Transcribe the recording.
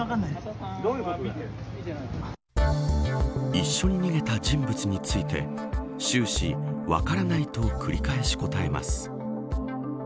一緒に逃げた人物について終始、分からないと繰り返し答えます。